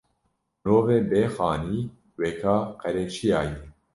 Mirovê bê xanî weka qereçiya ye